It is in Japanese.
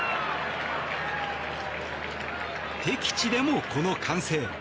敵地でもこの歓声。